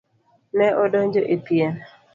Ne odonjo e pien.